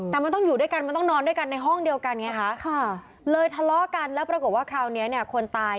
แต่มันต้องอยู่ด้วยกันมันต้องนอนด้วยกันในห้องเดียวกันไงคะ